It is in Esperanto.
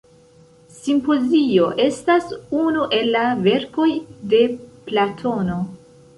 Simpozio estas unu el la verkoj de Platono.